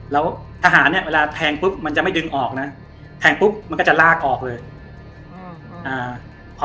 แล้วทหารเนี่ยเวลาแทงปุ๊บมันจะไม่ดึงออกนะแทงปุ๊บมันก็จะลากออกเลยอืมอ่า